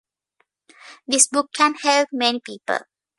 This book can help many people.